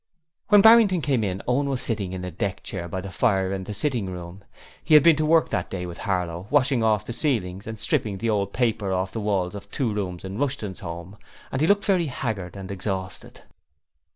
When Barrington came in Owen was sitting in a deck chair by the fire in the sitting room. He had been to work that day with Harlow, washing off the ceilings and stripping the old paper from the walls of two rooms in Rushton's home, and he looked very haggard and exhausted.